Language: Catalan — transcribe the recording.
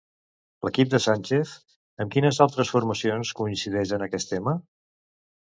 L'equip de Sánchez, amb quines altres formacions coincideix en aquest tema?